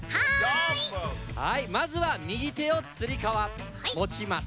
はいまずはみぎてをつりかわもちます。